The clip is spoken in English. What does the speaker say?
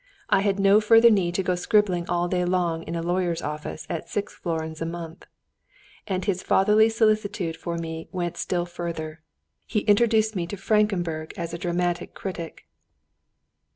I had no further need to go scribbling all day long in a lawyer's office at six florins a month. And his fatherly solicitude for me went still further. He introduced me to Frankenburg as a dramatic critic.